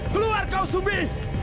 keluar kau sumbi